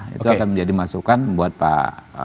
itu akan menjadi masukan buat pak